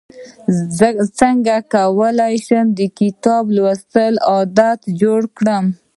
څنګه کولی شم د کتاب لوستلو عادت جوړ کړم